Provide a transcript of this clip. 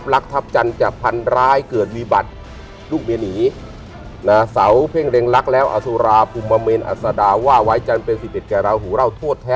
รายการนี้เป็นรายการแรกที่เขายอมพูดนะฮะ